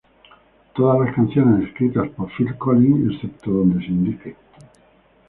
Todas las canciones escritas por Phil Collins, excepto donde se indique.